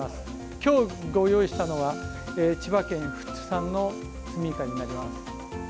今日ご用意したのは千葉県富津産のスミイカになります。